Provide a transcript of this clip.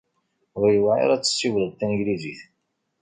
Ur yewɛiṛ ad tessiwleḍ tanglizit.